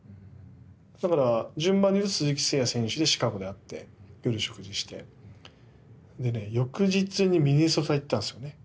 だから順番に言うと鈴木誠也選手でシカゴで会って夜食事して翌日にミネソタ行ったんですよね。